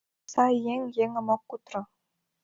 Сай еҥ еҥым ок кутыро